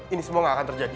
ini semua gak akan terjadi